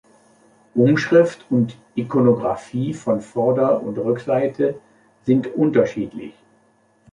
Umschrift und Ikonographie von Vorder- und Rückseite sind unterschiedlich.